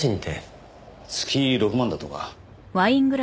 月６万だとか。